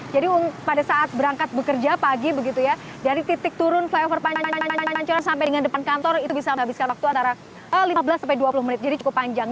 pada saat berangkat bekerja pagi begitu ya dari titik turun flyover sampai dengan depan kantor itu bisa menghabiskan waktu antara lima belas sampai dua puluh menit jadi cukup panjang